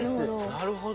なるほど。